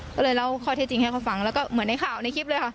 ก็เลยเล่าข้อเท็จจริงให้เขาฟังแล้วก็เหมือนในข่าวในคลิปเลยค่ะ